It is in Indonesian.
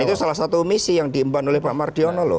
dan itu salah satu misi yang diimban oleh pak mardiono loh